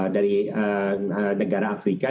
dari negara afrika